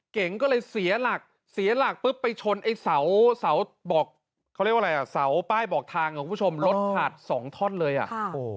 เก๋งก็เลยเสียหลักเสียหลักปุ๊บไปชนไอ้เสาบอกเขาเรียกว่าอะไรอ่ะเสาป้ายบอกทางของคุณผู้ชมรถขาดสองท่อนเลยอ่ะ